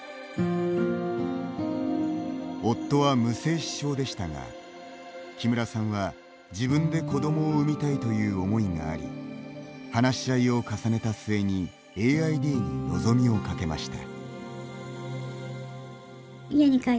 夫は無精子症でしたが木村さんは、自分で子どもを産みたいという思いがあり話し合いを重ねた末にＡＩＤに望みをかけました。